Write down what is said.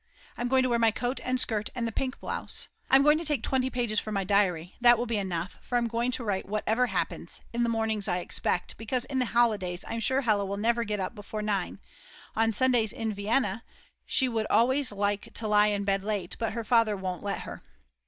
I'm going to wear my coat and skirt and the pink blouse. I'm going to take twenty pages for my diary, that will be enough; for I'm going to write whatever happens, in the mornings I expect, because in the holidays I'm sure Hella will never get up before 9; on Sundays in Vienna she would always like to lie in bed late, but her father won't let her.